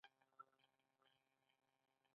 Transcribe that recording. تادیات او د هغو وخت باید ټاکلی وي.